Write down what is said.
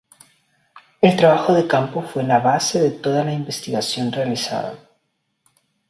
El trabajo de campo fue la base de toda la investigación realizada.